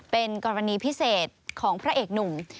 เป็นกรณีพิเศษของพระเอกหนุ่ม